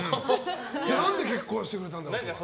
じゃあなんで結婚してくれたんだろうって。